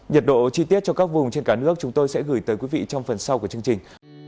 nhiệt độ chi tiết cho các vùng trên cả nước chúng tôi sẽ gửi tới quý vị trong phần sau của chương trình